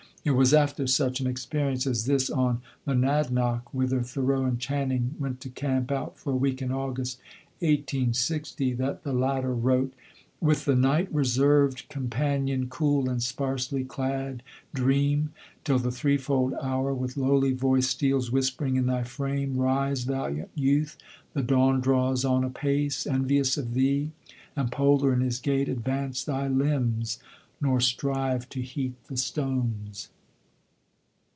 It was after such an experience as this on Monadnoc, whither Thoreau and Channing went to camp out for a week in August, 1860, that the latter wrote: "With the night, Reserved companion, cool and sparsely clad, Dream, till the threefold hour with lowly voice Steals whispering in thy frame, 'Rise, valiant youth! The dawn draws on apace, envious of thee, And polar in his gait; advance thy limbs, Nor strive to heat the stones.'"